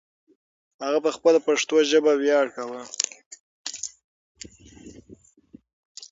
هغه په خپله پښتو ژبه ویاړ کاوه.